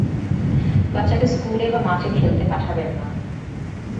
বাচ্চাকে স্কুলে বা মাঠে খেলতে পাঠাবেন না।